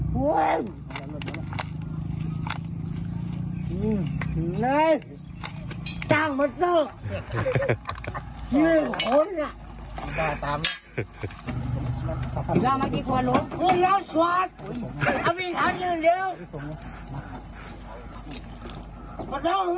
กว่าจะจับได้เลยเราเหนื่อยเลยนะครับ